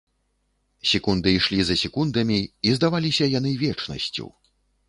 Секунды ішлі за секундамі і здаваліся яны вечнасцю.